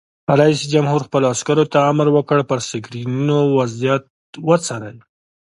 رئیس جمهور خپلو عسکرو ته امر وکړ؛ پر سکرینونو وضعیت وڅارئ!